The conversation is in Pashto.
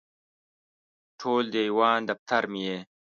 ټول دیوان دفتر مې یې